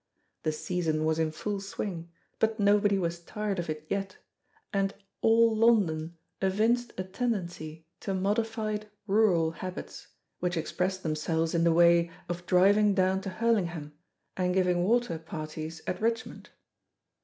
The season was in full swing, but nobody was tired of it yet, and "all London" evinced a tendency to modified rural habits, which expressed themselves in the way of driving down to Hurlingham, and giving water parties at Richmond.